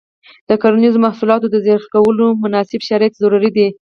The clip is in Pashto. د کرنیزو محصولاتو د ذخیره کولو مناسب شرایط ضروري دي.